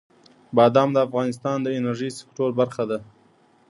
بادام د افغانستان د انرژۍ سکتور برخه ده.